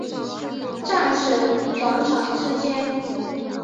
战神广场之间。